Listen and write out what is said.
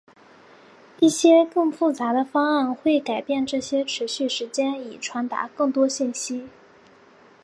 一些更复杂的方案会改变这些持续时间以传达更多信息。